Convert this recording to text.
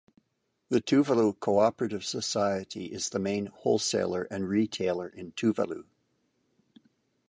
The Tuvalu Cooperative Society is the main wholesaler and retailer in Tuvalu.